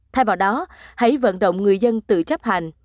thay vào đó hãy vận động người dân tự chấp hành